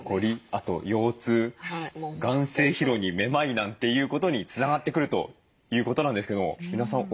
あと腰痛眼精疲労にめまいなんていうことにつながってくるということなんですけども箕輪さんお心当たりなどどうですか？